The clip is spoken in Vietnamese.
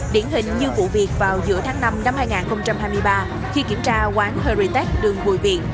điển hình như vụ việc vào giữa tháng năm năm hai nghìn hai mươi ba khi kiểm tra quán heritage đường bùi viện